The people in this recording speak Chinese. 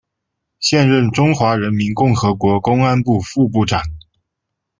现任中华人民共和国公安部副部长。